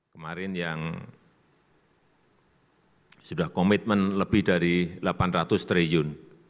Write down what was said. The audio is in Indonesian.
kemarin yang sudah komitmen lebih dari delapan ratus triliun